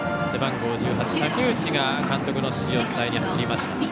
背番号１８の竹内が監督の指示を伝えに走りました。